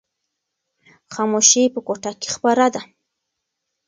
خاموشي په کوټه کې خپره ده.